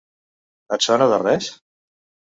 Et sona de res?